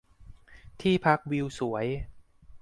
ที่พักวิวสวย